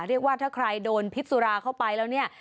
เรียกว่าถ้าใครโดนพิษสุราเข้าไปแล้วเนี่ย